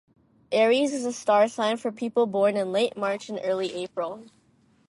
Aries is a star sign for people born in late March and early April.